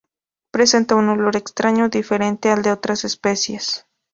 Presenta un olor extraño diferente al de otras especies.